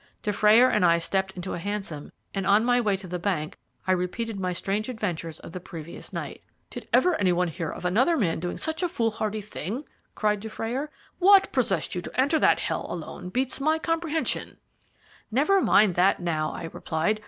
Dufrayer and I stepped into a hansom, and on my way to the bank I repeated my strange adventures of the previous night. "Did ever any one hear of another man doing such a foolhardy thing?" cried Dufrayer. "What possessed you to enter that hell alone beats my comprehension." "Never mind that now," I replied.